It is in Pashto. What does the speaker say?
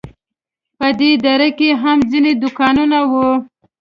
په دې دره کې هم ځینې دوکانونه وو.